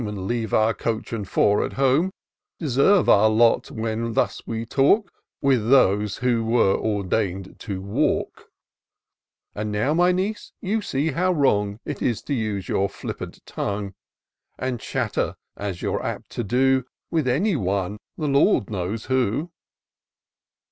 And leave our coach and four at home, MM 266 TOUR OF DOCTOR SYNTAX Deserve our lot when thus we talk With those who were ordain'd to walk ! And now, my niece, you see how wrong It is to use your flippant tongue, And chatter, as you're apt to do. With any one — ^the Lord knows who."